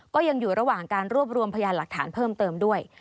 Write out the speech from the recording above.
ก็ยังอยู่ระหว่างการรวบรวมพยานหลักฐานเพิ่มเติมด้วย